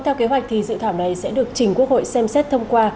theo kế hoạch thì dự thảo này sẽ được chỉnh quốc hội xem xét thông qua